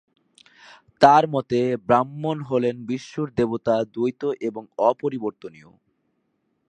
তাঁর মতে ব্রাহ্মণ হলেন বিষ্ণুর দেবতা, দ্বৈত এবং অপরিবর্তনীয়।